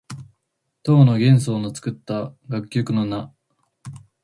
唐の玄宗の作った楽曲の名。